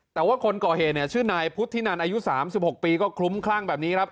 แต่ว่าคนก่อเหตุเนี่ยชื่อนายพุทธินันอายุ๓๖ปีก็คลุ้มคลั่งแบบนี้ครับ